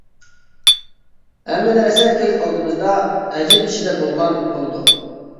ھەممە نەرسە كۆز ئالدىمىزدا، ھەجىم ئىچىدە بولغان بولىدۇ.